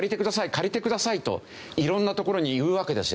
借りてくださいと色んなところに言うわけですよ。